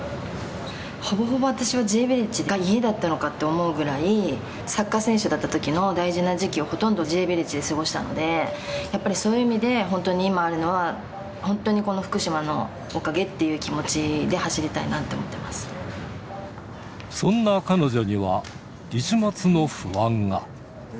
ほぼほぼ私はＪヴィレッジが家だったのかと思うくらい、サッカー選手だったときの大事な時期をほとんどＪヴィレッジで過ごしたので、やっぱり、そういう意味で、本当に今あるのは、本当にこの福島のおかげっていう気持ちで走りたいなって思ってまそんな彼女には、一抹の不安が。